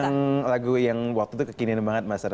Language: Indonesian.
ini lagu yang waktu kekinian banget